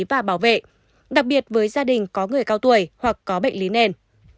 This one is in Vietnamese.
và bảo vệ đặc biệt với gia đình có người cao tuổi hoặc có bệnh lý nền